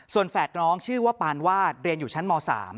แฝดน้องชื่อว่าปานวาดเรียนอยู่ชั้นม๓